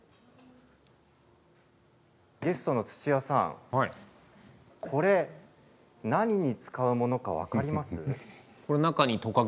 ゲストの土屋さん何に使うものか分かりますか？